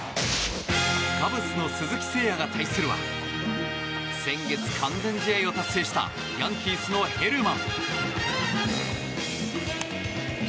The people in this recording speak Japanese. カブスの鈴木誠也が対するは先月、完全試合を達成したヤンキースのヘルマン。